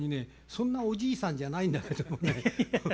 そんなおじいさんじゃないんだけどもね